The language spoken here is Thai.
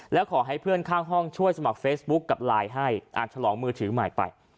แล้วขอให้เพื่อนข้างห้องช่วยสมัครเฟซบุ๊คกับไลน์ให้อ่านฉลองมือถือใหม่ไป